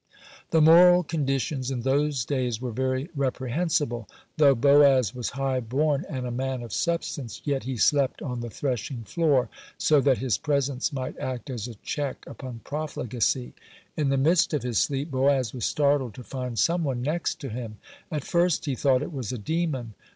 (57) The moral conditions in those days were very reprehensible. Though Boaz was high born and a man of substance, yet he slept on the threshing floor, so that his presence might act as a check upon profligacy. In the midst of his sleep, Boaz was startled to find some one next to him. At first he thought it was a demon.